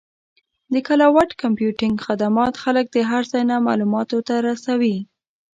د کلاؤډ کمپیوټینګ خدمات خلک د هر ځای نه معلوماتو ته رسوي.